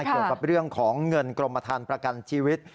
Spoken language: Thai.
เกี่ยวกับเรื่องของเงินกรมฐานประกันชีวิต